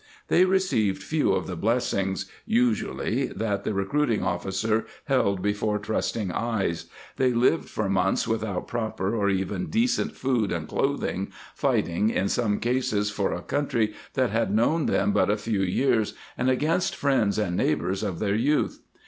They re ceived few of the blessings, usually, that the re cruiting officer held before trusting eyes; they lived for months without proper or even decent food and clothing, fighting (in some cases) for a country^that had known them but a few years and against friends and neighbors of their youth.